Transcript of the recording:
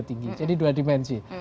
tinggi jadi dua dimensi